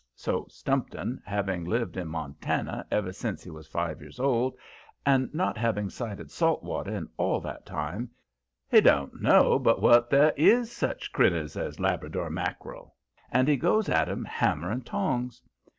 So Stumpton, having lived in Montana ever sence he was five years old, and not having sighted salt water in all that time, he don't know but what there IS such critters as "Labrador mack'rel," and he goes at 'em, hammer and tongs.